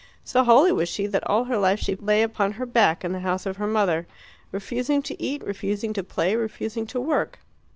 So holy was she that all her life she lay upon her back in the house of her mother, refusing to eat, refusing to play, refusing to work.